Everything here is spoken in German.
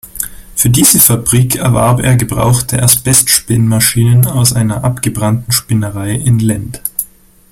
Für diese Fabrik erwarb er gebrauchte Asbest-Spinnmaschinen aus einer abgebrannten Spinnerei in Lend.